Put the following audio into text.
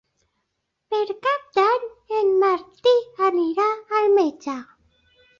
Per Cap d'Any en Martí anirà al metge.